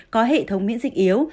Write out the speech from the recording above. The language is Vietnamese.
có hệ thống miễn dịch yếu